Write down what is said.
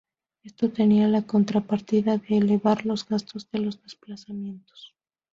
Esto tenía la contrapartida de elevar los gastos de los desplazamientos.